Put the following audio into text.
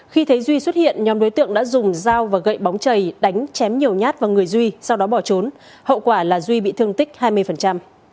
khi thấy duy xuất hiện nhóm đối tượng đã dùng dao và gậy bóng chầy đánh chém nhiều nhát vào người duy sau đó bỏ trốn hậu quả là duy bị thương tích hai mươi